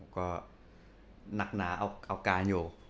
ก็นักหนาเอาการอยู่